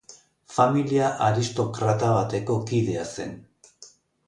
Familia aristokrata bateko kidea zen.